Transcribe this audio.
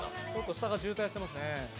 下が渋滞してますね。